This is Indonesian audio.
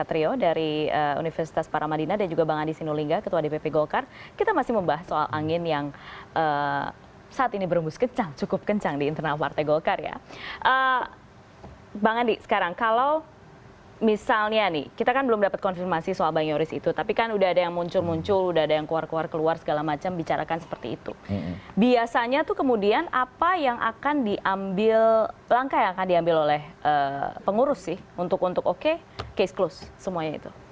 kemudian apa yang akan diambil langkah yang akan diambil oleh pengurus sih untuk oke case close semuanya itu